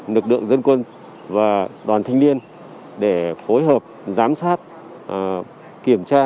lực lượng dân quân và đoàn thanh niên để phối hợp giám sát kiểm tra